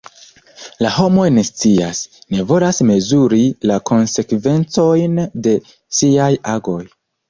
La homoj ne scias, ne volas mezuri la konsekvencojn de siaj agoj.